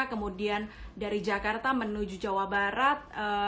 kemudian dari jakarta menuju jawa barat